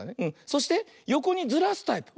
そしてよこにずらすタイプ。